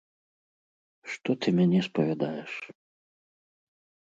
Што ты мяне спавядаеш?